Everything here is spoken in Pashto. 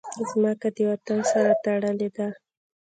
مځکه د وطن سره تړلې ده.